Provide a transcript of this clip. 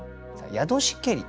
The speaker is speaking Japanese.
「宿しけり」。